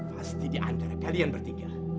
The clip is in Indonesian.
pasti di antara kalian bertiga